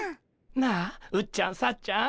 なあうっちゃんさっちゃん